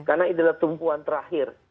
karena ini adalah tumpuan terakhir